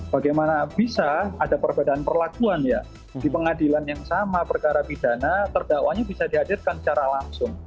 bagaimana bisa ada perbedaan perlakuan ya di pengadilan yang sama perkara pidana terdakwanya bisa dihadirkan secara langsung